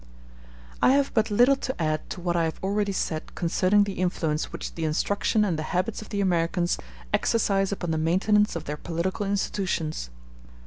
I have but little to add to what I have already said concerning the influence which the instruction and the habits of the Americans exercise upon the maintenance of their political institutions.